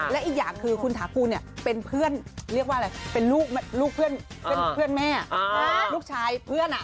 และอีกอย่างคือคุณถากูลเนี่ยเป็นเพื่อนเรียกว่าอะไรเป็นลูกเพื่อนแม่ลูกชายเพื่อน